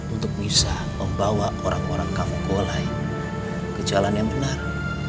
untuk bisa membawa orang orang kampung kolai ke jalan yang benar